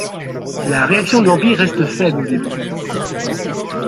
La réaction de l’Empire reste faible au début.